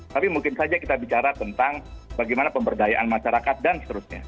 tapi mungkin saja kita bicara tentang bagaimana pemberdayaan masyarakat dan seterusnya